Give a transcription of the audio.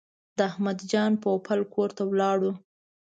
د احمد جان پوپل کور ته ولاړو.